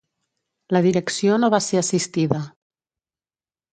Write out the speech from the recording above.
La direcció no va ser assistida.